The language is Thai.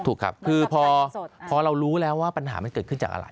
ถูกครับคือพอเรารู้แล้วว่าปัญหามันเกิดขึ้นจากอะไร